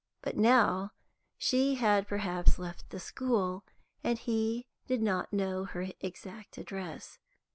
But now she had perhaps left the school, and he did not know her exact address.